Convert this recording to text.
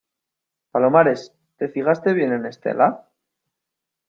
palomares, ¿ te fijaste bien en Estela?